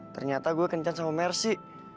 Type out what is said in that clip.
ternyata gue kencan sama mercy